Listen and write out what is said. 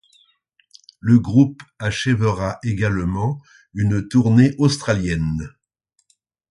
Le groupe achèvera également une tournée australienne.